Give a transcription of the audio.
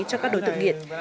cho các đối tượng nghiện